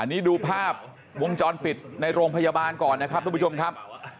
นี่ดูภาพวงจรปิดในโรงพยาบาลก่อนนะครับทุกผู้ชมครับ